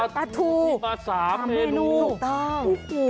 ปลาทูที่มี๓เมนูถูกต้องโอ้โห